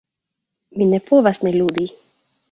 Mi ne povas ne ludi.